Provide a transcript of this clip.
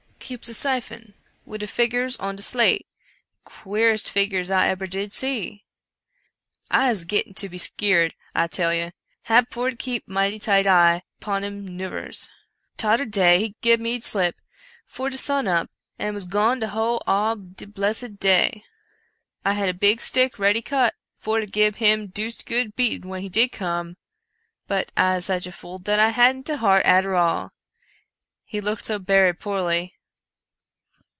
"" Keeps a syphon wid de figgurs on de slate — de queerest figgurs I ebber did see. Ise gittin' to be skeered, I tell you. Hab for to keep mighty tight eye 'pon him 'noovers. Todder day he gib me slip 'fore de sun up and was gone de whole ob de blessed day. I had a big stick ready cut for to gib him deuced good beating when he did come — but Ise sich a fool dat I hadn't de heart arter all — he looked so berry poorly."